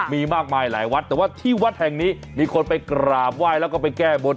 มีมากมายหลายวัดแต่ว่าที่วัดแห่งนี้มีคนไปกราบไหว้แล้วก็ไปแก้บน